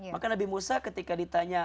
maka nabi musa ketika ditanya